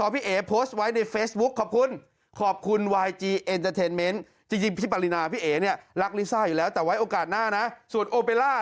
พี่เอ๋สองพี่เอ๋บารีนาไกรคุบ